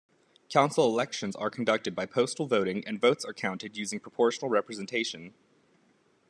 Council elections are conducted by postal voting and votes are counted using proportional representation.